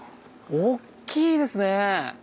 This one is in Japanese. おっきいですね！